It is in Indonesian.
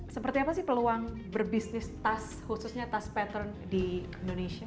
seperti apa sih peluang berbisnis tas khususnya tas pattern di indonesia